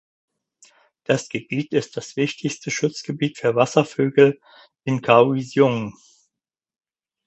Das Gebiet ist das wichtigste Schutzgebiet für Wasservögel in Kaohsiung.